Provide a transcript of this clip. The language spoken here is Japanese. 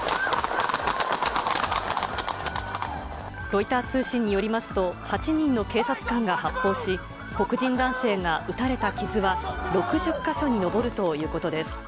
ロイター通信によりますと、８人の警察官が発砲し、黒人男性が撃たれた傷は６０か所に上るということです。